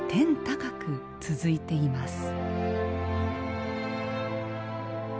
高く続いています